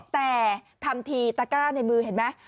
แต่ทำทีตะกร้าในมือเห็นไหม